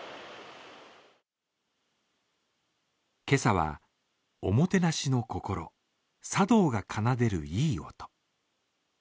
今朝は、おもてなしの心茶道が奏でるいい音。